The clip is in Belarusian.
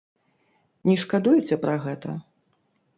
Не шкадуеце пра гэта?